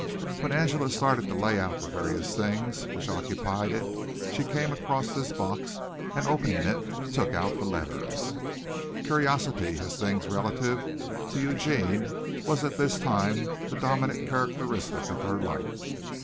When Angela started to lay out the various things which occupied it she came across this box and opening it took out the letters. Curiosity as to things relative to Eugene was at this time the dominant characteristic of her life.